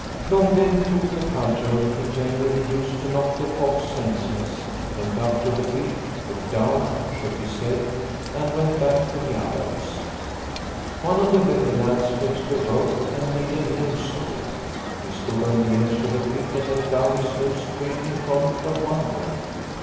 Long Bengt took the cudgel he generally used to knock the fox senseless, went up to the pit, looked down, shook his head, and went back to the others. One of the Vetter lads fetched a rope and made a noose of it. He stood on the edge of the pit, and let down his noose straight in front of one wolf.